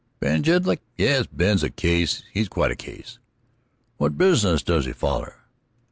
"Ben Jedlick? Yes, Ben's a case; he's quite a case." "What business does he foller?"